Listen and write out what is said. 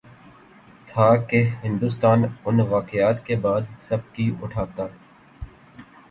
تھا کہ ہندوستان ان واقعات کے بعد سبکی اٹھاتا۔